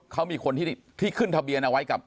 เขามีคนที่ขึ้นทะเบียนเอาไว้กับ